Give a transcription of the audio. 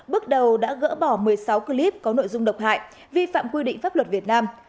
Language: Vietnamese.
bước đầu đã gỡ bỏ một mươi sáu clip có nội dung độc hại vi phạm quy định pháp luật việt nam